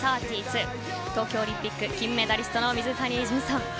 東京オリンピック金メダリストの水谷隼さん